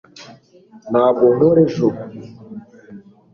ntabwo nkora ejo